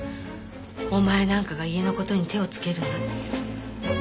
お前なんかが家の事に手をつけるなって。